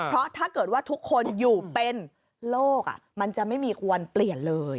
เพราะถ้าเกิดว่าทุกคนอยู่เป็นโลกมันจะไม่มีควรเปลี่ยนเลย